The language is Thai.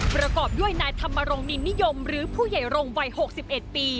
ประกอบด้วยนายธรรมรงคินนิยมหรือผู้ใหญ่รงวัย๖๑ปี